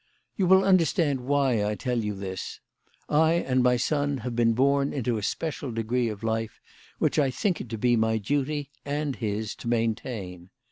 " You will understand why I tell you this. I and my son have been born into a special degree of life which I think it to be my duty and his to maintain.